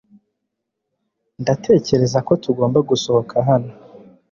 Ndatekereza ko tugomba gusohoka hano .